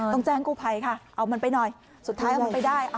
ต้องแจ้งกู้ภัยค่ะเอามันไปหน่อยสุดท้ายเอามันไปได้